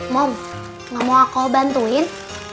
mom gak mau akul bantuin